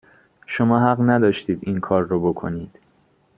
شما حق نداشتید اینکار رو بکنید